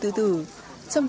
trong đó không ít